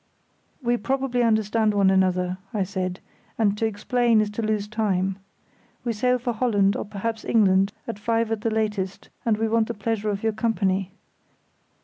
"We probably understand one another," I said, "and to explain is to lose time. We sail for Holland, or perhaps England, at five at the latest, and we want the pleasure of your company.